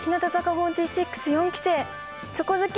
４６四期生チョコ好き